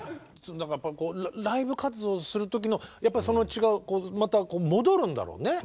だからこうライブ活動する時のやっぱりその血がまた戻るんだろうね。